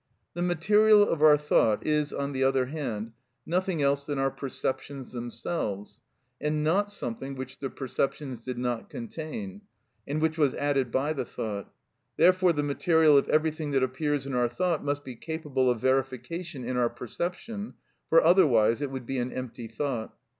The material of our thought is, on the other hand, nothing else than our perceptions themselves, and not something which the perceptions did not contain, and which was added by the thought; therefore the material of everything that appears in our thought must be capable of verification in our perception, for otherwise it would be an empty thought.